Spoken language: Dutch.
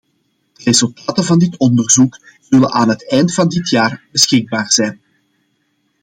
De resultaten van dit onderzoek zullen aan het eind van dit jaar beschikbaar zijn.